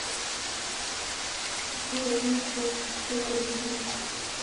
El programa se reanudó posteriormente.